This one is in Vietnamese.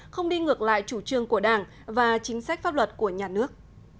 không đi ngược lại chủ trương của đảng và chính sách pháp luật của nhà nước